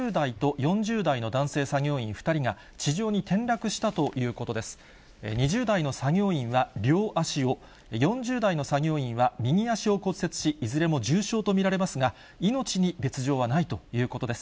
２０代の作業員は両足を、４０代の作業員は右足を骨折し、いずれも重傷と見られますが、命に別状はないということです。